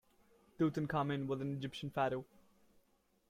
Tutankhamen was an Egyptian pharaoh.